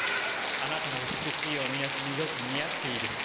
あなたの美しいおみ足によく似合っている。